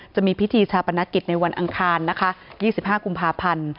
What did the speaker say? จะมีพิธีชาปนกิจในวันอังคารนะคะ๒๕กุมภาพันธ์